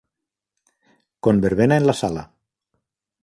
Con verbena en la sala.